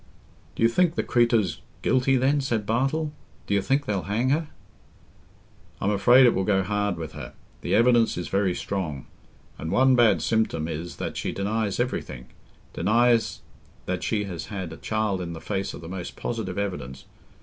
"Do you think the creatur's guilty, then?" said Bartle. "Do you think they'll hang her?" "I'm afraid it will go hard with her. The evidence is very strong. And one bad symptom is that she denies everything—denies that she has had a child in the face of the most positive evidence.